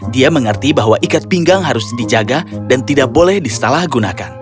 dia mengerti bahwa ikat pinggang harus dijaga dan tidak boleh disalahgunakan